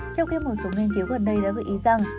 trong khi một số nghiên cứu gần đây đã gợi ý rằng